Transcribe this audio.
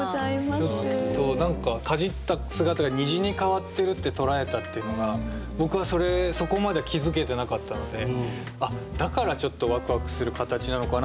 ちょっと何かかじった姿が虹に変わってるって捉えたっていうのが僕はそれそこまでは気付けてなかったのでだからちょっとワクワクする形なのかなっていうのも気付けたんで。